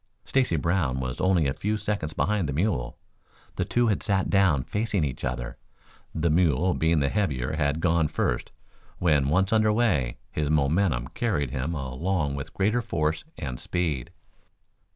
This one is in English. Stacy Brown was only a few seconds behind the mule. The two had sat down facing each other. The mule being the heavier had gone first and, when once under way, his momentum carried him along with greater force and speed.